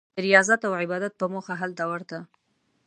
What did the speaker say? د ریاضت او عبادت په موخه هلته ورته.